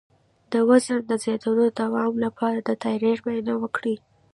د وزن د زیاتیدو د دوام لپاره د تایرايډ معاینه وکړئ